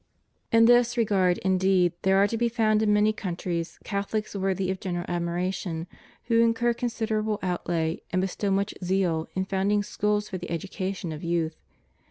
In this regard indeed there are to be found in many countries CathoUcs worthy of general admiration, who incur considerable outlay and bestow much zeal in founding schools for the education of youth.